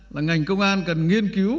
là ngành công an cần nghiên cứu